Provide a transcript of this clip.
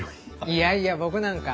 いやいや僕なんか。